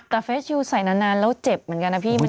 แต่เฟสชิลใส่นานแล้วเจ็บเหมือนกันนะพี่